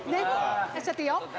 「出しちゃっていいよ」